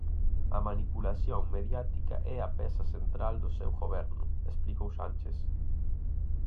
A manipulación mediática é a peza central do seu Goberno, explicou Sánchez.